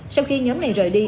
sau khi nhóm này rời đi